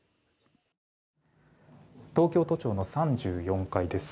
東京都庁の３４階です。